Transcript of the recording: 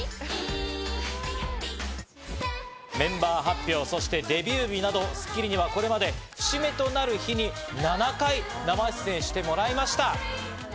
メンバー発表、そしてデビュー日など『スッキリ』にはこれまで節目となる日に７回生出演してもらいました。